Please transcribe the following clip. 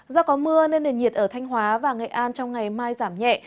do có mưa nên nền nhiệt ở thanh hóa và nghệ an trong ngày mai giảm nhẹ